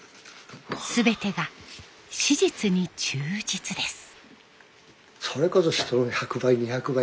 全てが史実に忠実です。